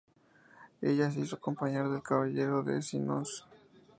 Ella se hizo acompañar del Caballero de Soissons.